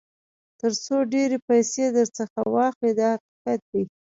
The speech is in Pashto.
تر څو ډېرې پیسې درڅخه واخلي دا حقیقت دی.